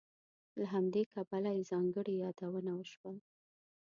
له همدې کبله یې ځانګړې یادونه وشوه.